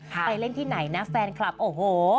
ไปเล่นที่ไหนนะแฟนคลับโอ้โห